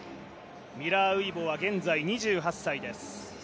ミラー・ウイボは現在２８歳です。